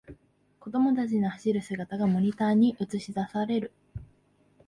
子供たちの走る姿がモニターに映しだされる